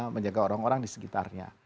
menjaga orang orang di sekitarnya